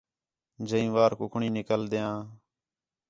جئیں واں کُکڑیں نِکلدیان